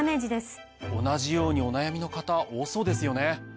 同じようにお悩みの方多そうですよね。